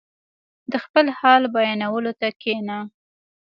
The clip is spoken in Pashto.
• د خپل حال بیانولو ته کښېنه.